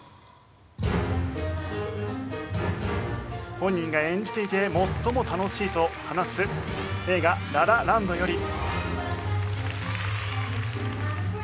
本人が演じていて最も楽しいと話す映画『ラ・ラ・ランド』より。